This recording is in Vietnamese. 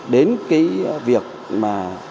đến cái việc mà